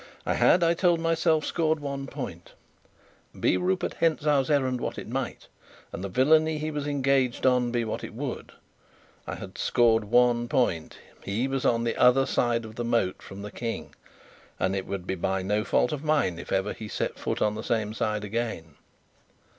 I had, I told myself, scored one point. Be Rupert Hentzau's errand what it might, and the villainy he was engaged on what it would, I had scored one point. He was on the other side of the moat from the King, and it would be by no fault of mine if ever he set foot on the same side again.